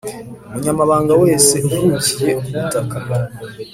Umunyamahanga wese uvukiye ku butaka